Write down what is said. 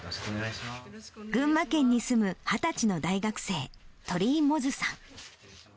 群馬県に住む２０歳の大学生、鳥居百舌さん。